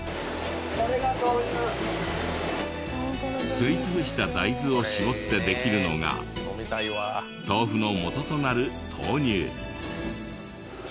すり潰した大豆を搾ってできるのが豆腐のもととなる豆乳。